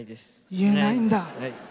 言えないんだ。